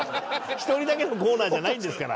１人だけのコーナーじゃないんですから。